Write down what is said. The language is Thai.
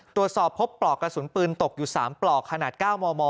ตรวจสอบพบปลอกกระสุนปืนตกอยู่๓ปลอกขนาด๙มม